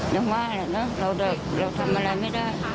ยังว่าเราทำอะไรไม่ได้